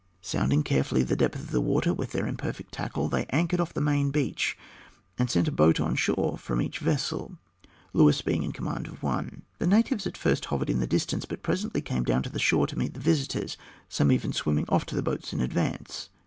Sounding carefully the depth of water with their imperfect tackle, they anchored off the main beach, and sent a boat on shore from each vessel, Luis being in command of one. The natives at first hovered in the distance, but presently came down to the shore to meet the visitors, some even swimming off to the boats in advance.